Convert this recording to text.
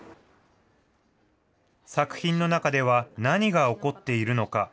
作品の中では、何が起こっているのか。